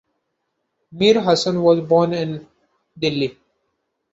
Mir Hasan was born in Delhi.